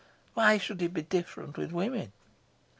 Why should it be different with women?"